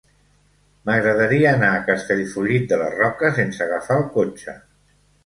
M'agradaria anar a Castellfollit de la Roca sense agafar el cotxe.